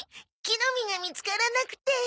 木の実が見つからなくて。